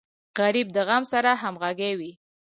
غریب د غم سره همغږی وي